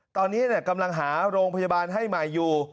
ตอนนี้กำลังหาโรงพยาบาลให้ใหม่อยู่